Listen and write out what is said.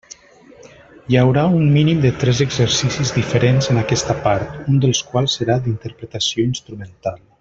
Hi haurà un mínim de tres exercicis diferents en aquesta part, un dels quals serà d'interpretació instrumental.